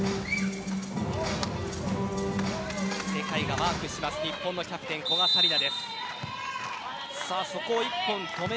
世界がマークする日本のキャプテン、古賀紗理那。